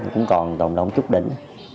cũng còn tổng đồng chút đỉnh